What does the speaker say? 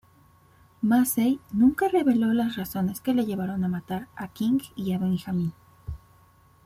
Massey nunca reveló las razones que le llevaron a matar a King y Benjamin.